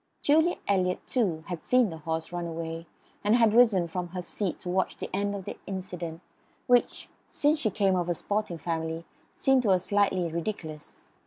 Julia Eliot, too, had seen the horse run away, and had risen from her seat to watch the end of the incident, which, since she came of a sporting family, seemed to her slightly ridiculous.